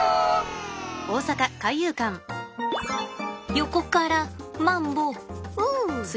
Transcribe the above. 横からマンボウウ！